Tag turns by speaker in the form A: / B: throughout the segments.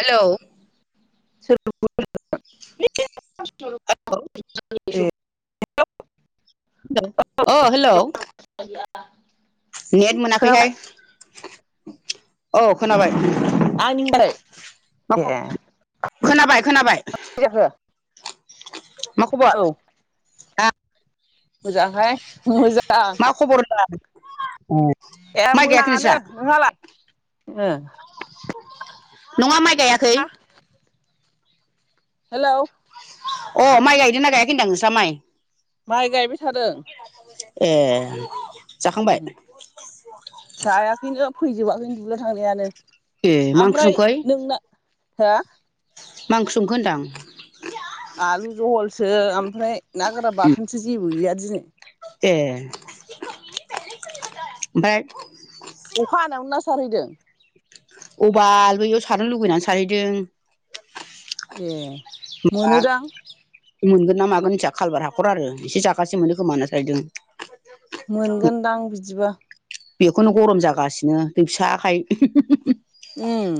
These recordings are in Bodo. A: हेलौ औ
B: [unintelligible]
A: ओ हेलौ।
B: [unintelligible]
A: नेट
B: खोनाबाय
A: मोनाखैहाय। औ खोनाबाय
B: आंनि होनबाय ए
A: खोनाबाय। खोनाबाय खोनाबाय।
B: [unintelligible]
A: मा खबर?
B: औ
A: आ
B: मोजांहाय। मोजां
A: मा खबर होनदां?
B: ए
A: माइ गायाखै
B: मोजाङानो
A: नोंस्रा
B: नोंहालाय? ओ
A: नङा माइ गाया
B: [unintelligible] हेलौ।
A: अ माइ गायदोंना गायाखै होनदां नोंस्रा माइ।
B: माइ गायबाय थादों।
A: ए जाखांबाय
B: जायाखैनो फैजोबाखैनो दुब्लियाव थांनायानो।
A: ए मा ओंख्रि
B: आमफ्राय
A: संखो ओइ
B: नोंना हो
A: मा ओंख्रि संखो होन्दां?
B: आलु जहलसो ओमफ्राय ना गोरान बाथोनसो जेबो गैया दिनै।
A: ए ओमफाय
B: अखा हानायावनो ना सारहैदों?
A: औ बाल बैयाव सारनो लुगैनानै सारहैदों।
B: ए
A: माबा
B: मोनोदां।
A: मोनगोन ना मागोन मोनथिया खालपार हाखर आरो एसे जागासे मोनो खोमा होनना सारहैयदों।
B: मोनगोनदां बिदिबा।
A: बेखौनो गरम जागासिनो दै फिसाखाइ।
B: उम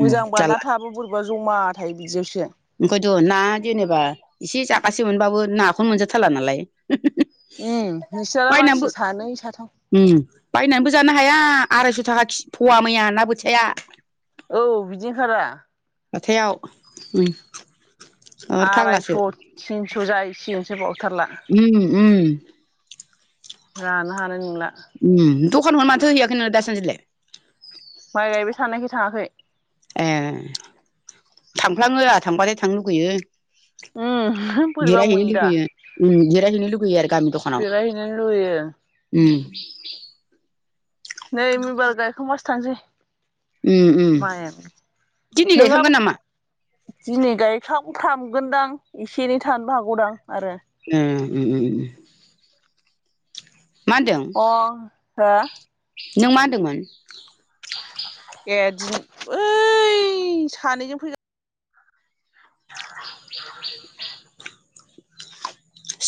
B: मोजांबा ना थाबो बोरैबा जमा थायो बिदियावसो।
A: ओंखायथ' ना जेनेबा एसे जागासे मोनबाबो नाखौनो मोनजाथारला नालाय।
B: उम नोंसोरा
A: बायनानैबो
B: मानसि सानै साथाम
A: उम बायनाबो जानो हाया आरायस' थाखा खि फवा मैया ना बोथिया।
B: औ बिदि खारा।
A: हाथायाव मै
B: आरायस' थिनस' जाहैसिगोनसो बावथारला।
A: उम उम।
B: जानो हानाय नोंला।
A: उम दखानखौनो माथो हैयाखै नों दासान्दिलाय?
B: माइ गायबाय थानायखाय थाङाखै।
A: ए थांफ्लाङो आहा थांबाथाय थांनो लुुगैयो।
B: उम। बोरैबा
A: जिरायहैनो
B: मोनो दा
A: लुुगैयो उम जिरायहैनो लुगैयो आरो गामि दखानाव।
B: बेरायहैनो लुुबैयो
A: उम।
B: नै मैबार गायखांबासो थांसै।
A: उम उम।
B: मायानो
A: दिनै
B: नोंहाबो
A: गायखांगोन नामा?
B: दिनै गायख्लांफ्रामगोनदां एसे एनै थानो हागौदां आरो।
A: उम उम उम उम मा होनदों
B: अ हो
A: नों मा होनदोंमोन?
B: ए दिनै ओइ सानैजों फैगा
A: [unintelligible]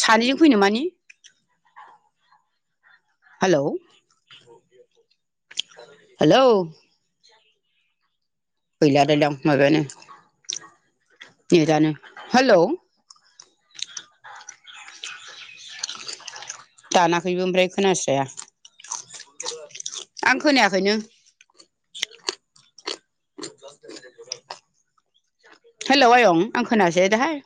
A: सानैजों फैनो माने? हालौ हेलौ गैला लायलां माबायानो नेदानो हेलौ दानाखैबो ओमफ्राय खोनास्राया। आं खोनायाखैनो हेलौ आयं आं खोनासै दाहाय।